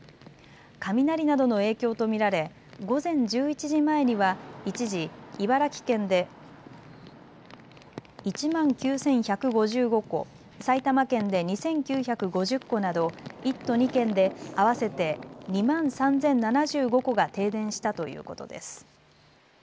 雷などの影響と見られ午前１１時前には一時、茨城県で１万９１５５戸、埼玉県で２９５０戸など１都２県で合わせて２万３０７５戸が停電したということです。